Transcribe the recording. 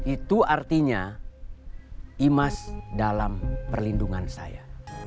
itu artinya imas dalam perlindungan saya